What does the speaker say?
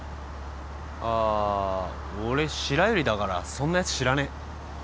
あ俺白百合だからそんなやつ知らねえ。